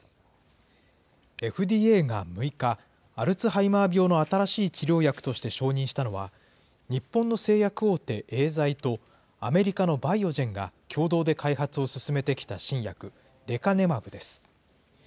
ＦＤＡが６日、アルツハイマー病の新しい治療薬として承認したのは、日本の製薬大手、エーザイと、アメリカのバイオジェンが共同で開発を進めてきた新薬、レカネマブです。